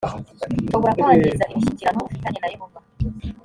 ushobora kwangiza imishyikirano ufitanye na yehova